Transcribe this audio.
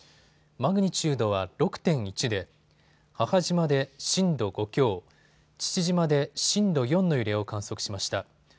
マグニチュードは６．１で母島で震度５強、父島で震度４の揺れを観測しました。